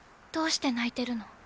どうして泣いてるの？